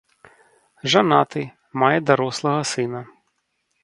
Жанаты, мае дарослага сына.